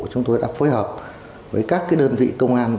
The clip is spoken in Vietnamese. chúng tôi đã phối hợp với các đơn vị công an